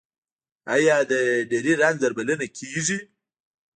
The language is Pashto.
آیا د نري رنځ درملنه کیږي؟